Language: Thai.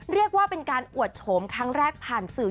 เรียกว่าเป็นการอวดโฉมครั้งแรกผ่านสื่อ